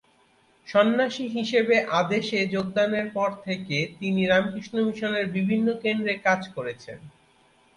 সন্ন্যাসী হিসাবে আদেশে যোগদানের পর থেকে তিনি রামকৃষ্ণ মিশনের বিভিন্ন কেন্দ্রে কাজ করেছেন।